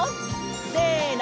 せの！